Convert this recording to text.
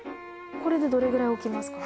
これでどれぐらい置きますか？